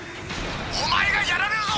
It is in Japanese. お前がやられるぞ。